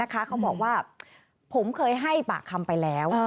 เขาบอกว่าผมเคยให้ปากคำไปแล้ว